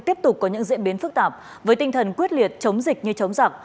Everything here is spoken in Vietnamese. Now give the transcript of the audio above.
tiếp tục có những diễn biến phức tạp với tinh thần quyết liệt chống dịch như chống giặc